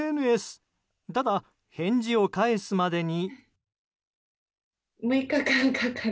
ただ、返事を返すまでに？